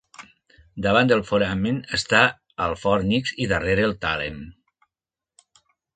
Davant del foramen està el fòrnix i darrere el tàlem.